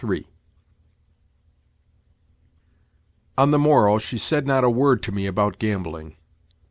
III On the morrow she said not a word to me about gambling.